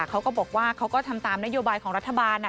เขาก็บอกว่าเขาก็ทำตามนโยบายของรัฐบาล